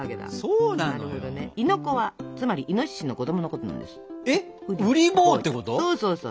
そうそうそうそう。